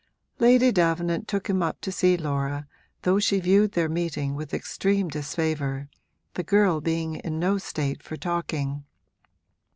Lady Davenant took him up to see Laura, though she viewed their meeting with extreme disfavour, the girl being in no state for talking.